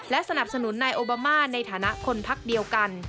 สนับสนุนนายโอบามาในฐานะคนพักเดียวกัน